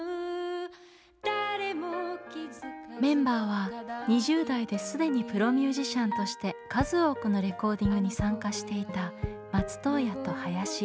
メンバーは２０代で既にプロミュージシャンとして数多くのレコーディングに参加していた松任谷と林。